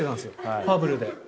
『ファブル』で。